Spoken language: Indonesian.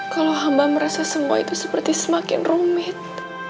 kalau hamba merasa semua itu seperti semakin rumit